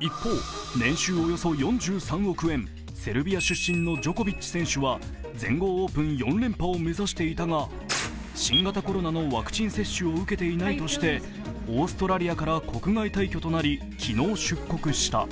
一方、年収およそ４３億円、セルビア出身のジョコビッチ選手は全豪オープン４連覇を目指していたが、新型コロナのワクチン接種を受けていないとしてオーストラリアから国外退去となり昨日、出国した。